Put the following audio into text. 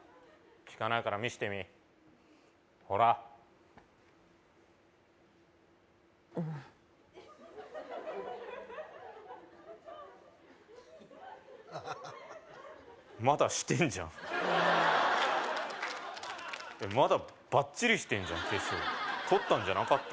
引かないから見してみほらうんまだしてんじゃんうんまだバッチリしてんじゃん化粧とったんじゃなかった？